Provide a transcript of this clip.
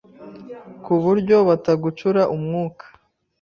ku buryo batagucura umwuka`